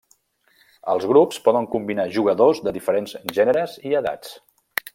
Els grups poden combinar jugadors de diferents gèneres i edats.